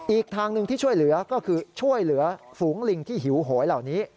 อีกทางหนึ่งที่ช่วยเหลือก็คือช่วยเหลือฝูงลิงที่หิวโหยเหล่านี้